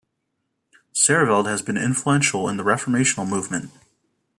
Seerveld has been influential in the reformational movement.